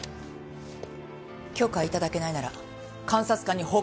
許可頂けないなら監察官に報告しますよ。